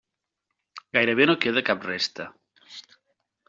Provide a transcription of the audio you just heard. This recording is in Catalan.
Gairebé no queda cap resta.